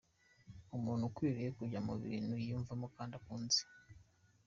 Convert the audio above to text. Umuntu akwiriye kujya mu bintu yiyumvamo kandi akunze.